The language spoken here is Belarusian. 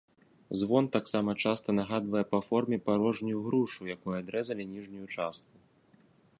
Звон таксама часта нагадвае па форме парожнюю грушу, якой адрэзалі ніжнюю частку.